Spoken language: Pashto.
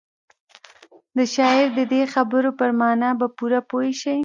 د شاعر د دې خبرو پر مانا به پوره پوه شئ.